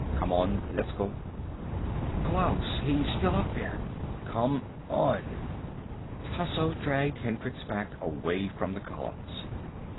"Come on. Let's go." "Klaus He's still up there." "Come on!" Tasso dragged Hendricks back, away from the columns.